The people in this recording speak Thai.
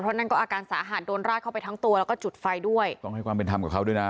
เพราะนั่นก็อาการสาหัสโดนราดเข้าไปทั้งตัวแล้วก็จุดไฟด้วยต้องให้ความเป็นธรรมกับเขาด้วยนะ